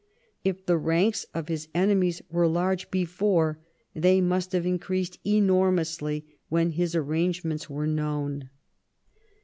If the ranks of his enemies were large before, they must have in creased enormously when his arrangements were made known.